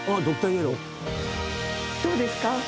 どうですか？